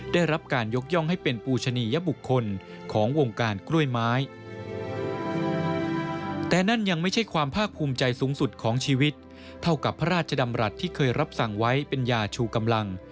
ได้รับการยกย่องให้เป็นปูชนียบุคคลของวงการกล้วยไม้